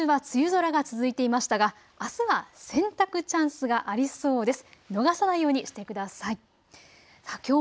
今週は梅雨空が続いていましたがあすは洗濯チャンスがありそうです。